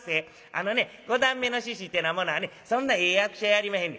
あのね五段目の猪ってなものはねそんなええ役者やりまへんねん。